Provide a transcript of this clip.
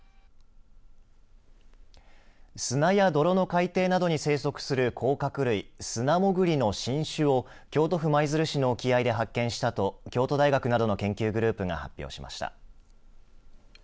砂や泥の海底などに生息する甲殻類スナモグリの新種を京都府舞鶴市の沖合で発見したと京都大学などの研究グループが発表しました。